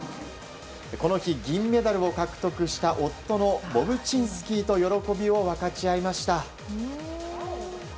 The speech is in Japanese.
この日、銀メダルを獲得した夫のボブチンスキーと喜びを分かち合いました。